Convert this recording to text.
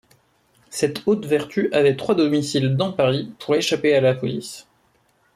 Cette haute vertu avait trois domiciles dans Paris pour échapper à la police.